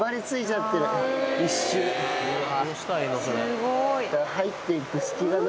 すごい。